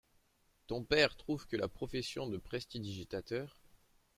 Ton père trouve que la profession de prestidigitateur…